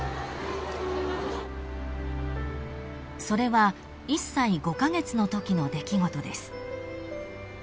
［それは１歳５カ月のときの出来事です］